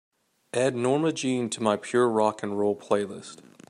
Add Norma Jean to my pure rock & roll playlist.